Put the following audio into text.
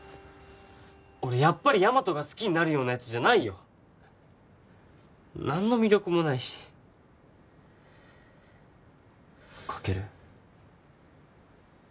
俺やっぱりヤマトが好きになるようなヤツじゃないよ何の魅力もないしカケル